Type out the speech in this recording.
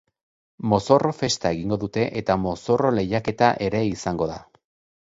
Mozorro-festa egingo dute eta mozorro-lehiaketa ere izango da.